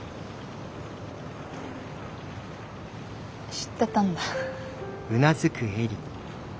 知ってたんだ。